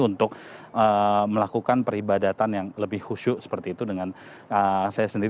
untuk melakukan peribadatan yang lebih khusyuk seperti itu dengan saya sendiri